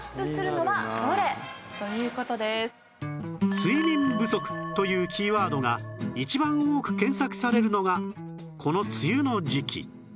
「睡眠不足」というキーワードが一番多く検索されるのがこの梅雨の時期